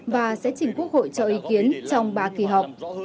và sẽ chỉnh quốc hội cho ý kiến trong ba kỳ họp